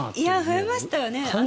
増えましたよね。